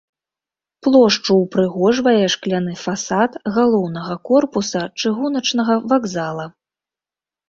Плошчу ўпрыгожвае шкляны фасад галоўнага корпуса чыгуначнага вакзала.